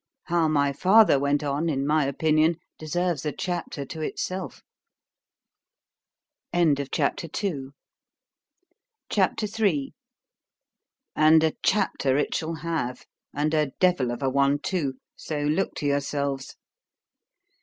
How my father went on, in my opinion, deserves a chapter to itself.— C H A P. III ————And a chapter it shall have, and a devil of a one too—so look to yourselves.